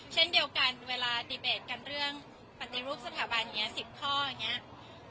เช่นเดียวกันเวลาดีเบตกันเรื่องปฏิรูปสถาบันอย่างนี้๑๐ข้ออย่างนี้